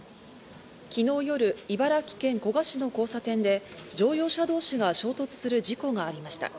昨日夜、茨城県古河市の交差点で乗用車同士が衝突する事故がありました。